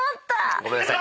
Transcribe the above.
ごめんなさい。